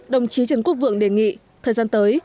đồng chí trần quốc vượng đề nghị thời gian tới